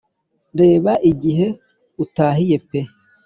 reba igihe utahiye pe!